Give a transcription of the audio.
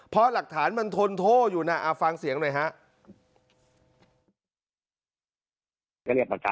เพราะหลักฐานมันทนโทษอยู่นะฟังเสียงหน่อยฮะ